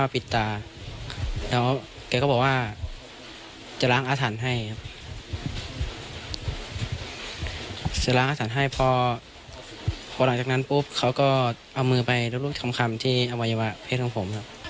พอหลังจากนั้นปุ๊บเขาก็เอามือไปรับรูปคำที่อวัยวะเพศของผม